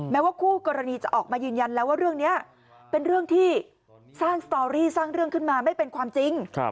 แม้ว่าคู่กรณีจะออกมายืนยันแล้วว่าเรื่องนี้เป็นเรื่องที่สร้างสตอรี่สร้างเรื่องขึ้นมาไม่เป็นความจริง